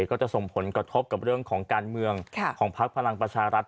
ก็จะส่งผลกระทบกับเรื่องของการเมืองของพักพลังประชารัฐ